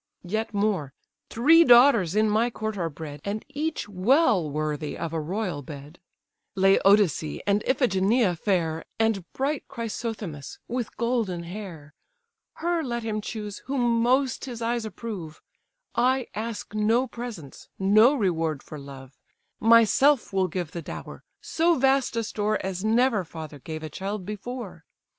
Yet more—three daughters in my court are bred, And each well worthy of a royal bed; Laodice and Iphigenia fair, And bright Chrysothemis with golden hair; Her let him choose whom most his eyes approve, I ask no presents, no reward for love: Myself will give the dower; so vast a store As never father gave a child before.